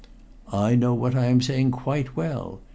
"I know what I am saying quite well.